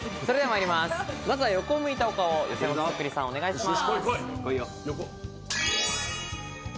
まずは横を向いたお顔、予選落ちそっくりさんをお願いします。